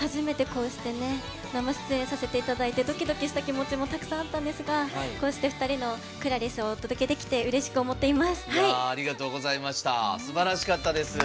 初めてこうして生出演させていただいてドキドキした気持ちもたくさんあったんですがこうして２人のＣｌａｒｉＳをお届けできてすばらしかったです。